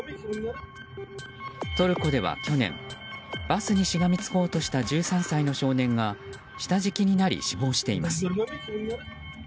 トルコでは去年バスにしがみつこうとした１３歳の少年が下敷きになり死亡しています。